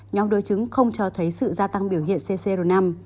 nhóm đối chứng không cho thấy sự gia tăng biểu hiện ccr năm